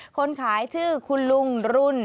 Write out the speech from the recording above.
คนขายชื่อคุณลุงรุน